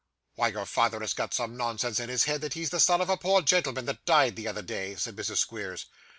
'Why, your father has got some nonsense in his head that he's the son of a poor gentleman that died the other day,' said Mrs. Squeers.